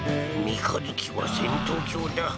三日月は戦闘狂だ